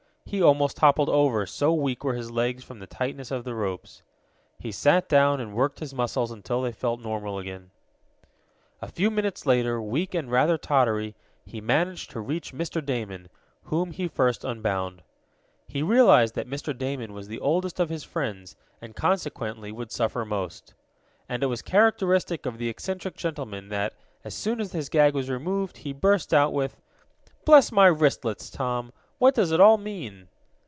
He almost toppled over, so weak were his legs from the tightness of the ropes. He sat down and worked his muscles until they felt normal again. A few minutes later, weak and rather tottery, he managed to reach Mr. Damon, whom he first unbound. He realized that Mr. Damon was the oldest of his friends, and, consequently, would suffer most. And it was characteristic of the eccentric gentleman that, as soon as his gag was removed he burst out with: "Bless my wristlets, Tom! What does it all mean?"